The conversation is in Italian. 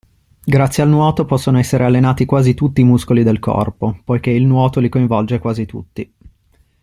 Grazie al nuoto possono essere allenati quasi tutti i muscoli del corpo, poiché il nuoto li coinvolge quasi tutti.